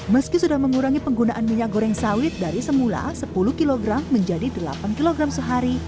meski sudah mengurangi penggunaan minyak goreng sawit dari semula sepuluh kg menjadi delapan kg sehari